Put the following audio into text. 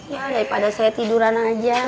ya daripada saya tiduran aja